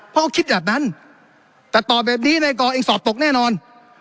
เพราะเขาคิดแบบนั้นแต่ตอบแบบนี้ในกองเองสอบตกแน่นอน